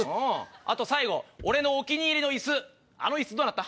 あと最後俺のお気に入りの椅子あの椅子どうなった？